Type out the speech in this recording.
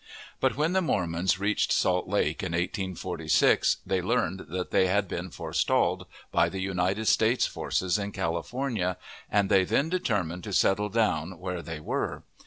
But when the Mormons reached Salt Lake, in 1846, they learned that they had been forestalled by the United States forces in California, and they then determined to settle down where they were.